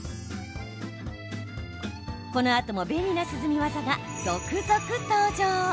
このあとも便利な涼み技が続々登場。